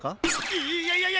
いいいやいやいや！